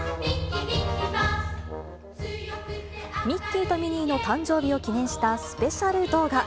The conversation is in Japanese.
ミッキーとミニーの誕生日を記念したスペシャル動画。